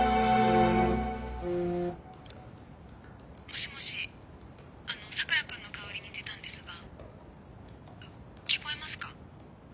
もしもしあの佐倉君の代わりに出たんですが聞こえますか？